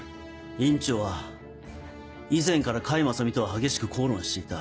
院長は以前から甲斐正美とは激しく口論をしていた。